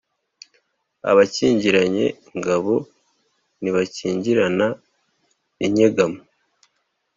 Abakingiranye ingabo ntibakingirana inyegamo.